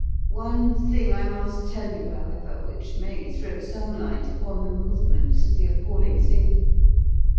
One thing I must tell you, however, which may throw some light upon the movements of the appalling thing.